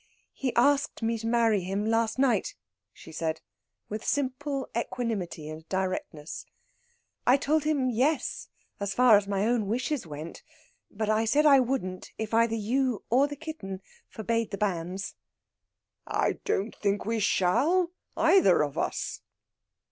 "He asked me to marry him, last night," she said, with simple equanimity and directness. "I told him yes, as far as my own wishes went. But I said I wouldn't, if either you or the kitten forbade the banns." "I don't think we shall, either of us."